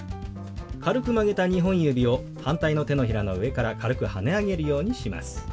軽く曲げた２本指を反対の手のひらの上から軽くはね上げるようにします。